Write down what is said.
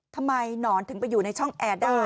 หนอนถึงไปอยู่ในช่องแอร์ได้